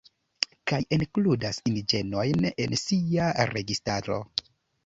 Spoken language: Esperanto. Kaj enkludas indiĝenojn en sia registaro.